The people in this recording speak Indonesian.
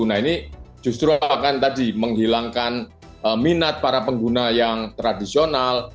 nah ini justru akan tadi menghilangkan minat para pengguna yang tradisional